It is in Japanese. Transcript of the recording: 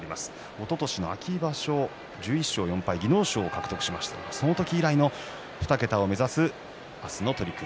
おととしの秋場所１１勝４敗技能賞を獲得していますがその時以来の２桁を目指す明日の取組。